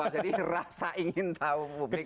jadi rasa ingin tahu publik